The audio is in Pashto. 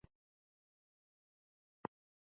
ماشومان له نورو سره ښه جوړجاړی وکړي.